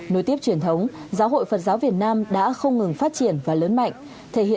nối tiếp truyền thống giáo hội phật giáo việt nam đã không ngừng phát triển và lớn mạnh